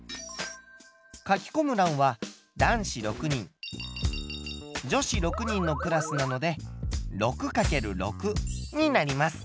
書きこむらんは男子６人女子６人のクラスなので６×６になります。